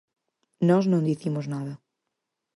Nós non dicimos nada.